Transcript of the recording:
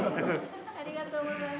ありがとうございます。